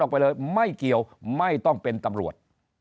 ไปเลยไม่เกี่ยวไม่ต้องเป็นตำรวจ